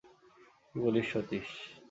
কী বলিস সতীশ?